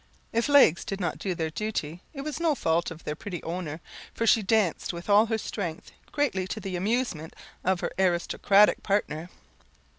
If legs did not do their duty, it was no fault of their pretty owner, for she danced with all her strength, greatly to the amusement of her aristocratic partner.